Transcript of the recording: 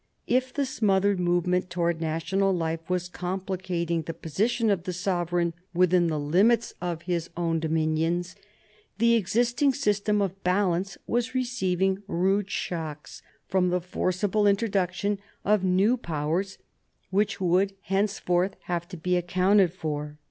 If the smothered movement towards national life was complicating the position of the sovereign within the limits of his own 1740 43 WAE OF SUCCESSION 5 dominions, the existing system of balance was receiving rude shocks from the forcible introduction of new Powers which would henceforth have to be accounted for.